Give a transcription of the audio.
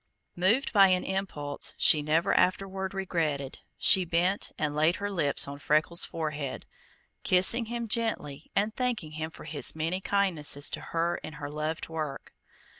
Moved by an impulse she never afterward regretted, she bent and laid her lips on Freckles' forehead, kissing him gently and thanking him for his many kindnesses to her in her loved work.